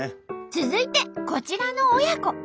続いてこちらの親子。